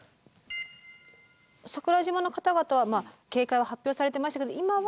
桜島の方々は警戒を発表されてましたけど今は。